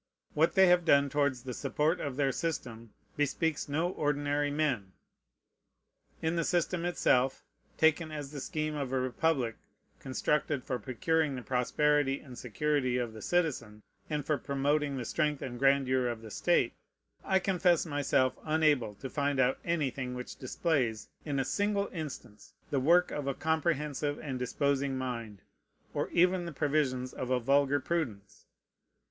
What they have done towards the support of their system bespeaks no ordinary men. In the system itself, taken as the scheme of a republic constructed for procuring the prosperity and security of the citizen, and for promoting the strength and grandeur of the state, I confess myself unable to find out anything which displays, in a single instance, the work of a comprehensive and disposing mind, or even the provisions of a vulgar prudence.